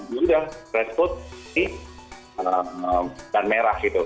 dulu sudah red foot putih dan merah gitu